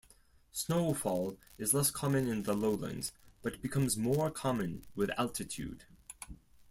Snowfall is less common in the lowlands, but becomes more common with altitude.